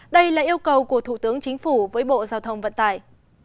đây là yêu cầu của thủ tướng chính phủ với bộ giao thông vận tải